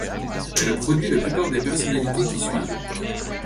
Elle a produit la plupart des personnalités qui suivent.